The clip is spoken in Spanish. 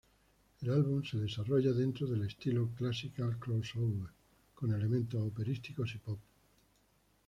El álbum se desarrolla dentro del estilo classical crossover, con elementos operísticos y pop.